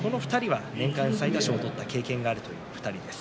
年間最多勝を取った経験がある２人です。